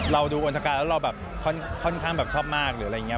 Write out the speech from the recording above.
เราดูอลทการแล้วเราค่อนข้างชอบมากหรืออะไรอย่างนี้